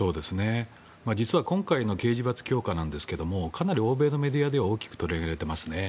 実は今回の刑事罰の強化なんですがかなり欧米のメディアでは大きく取り上げられていますね。